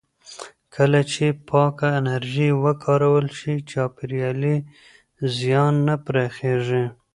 کله چې پاکه انرژي وکارول شي، چاپېریالي زیان نه پراخېږي.